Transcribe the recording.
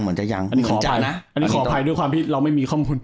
เหมือนจะยังอันนี้ขอจะนะอันนี้ขออภัยด้วยความที่เราไม่มีข้อมูล